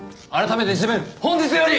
改めて自分本日より！